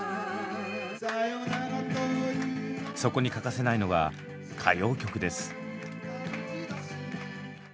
そこに欠かせないのが歌謡曲です。